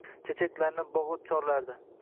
Chechaklarni boʻzlab chorlardi.